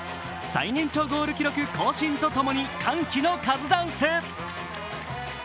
最年長ゴール記録更新とともに歓喜のカズダンス。